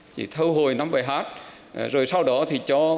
chỉ thu hồi năm bài hát rồi sau đó thì cho